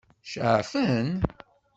Ceɛfen?